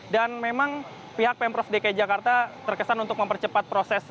memang pihak pemprov dki jakarta terkesan untuk mempercepat proses